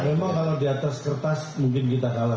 memang kalau di atas kertas mungkin kita kalah